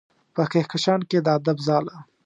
په کهکشان کې د ادب ځاله